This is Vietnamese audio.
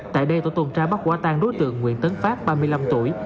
tại đây tổ tuần tra bắt quả tan đối tượng nguyễn tấn pháp ba mươi năm tuổi